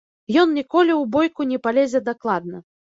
Ён ніколі ў бойку не палезе дакладна.